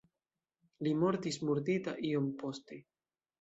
Li mortis murdita iom poste.